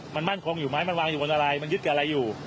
มันมั่นคงอยู่ไหมมันวางอยู่บนอะไรมันยึดกับอะไรอยู่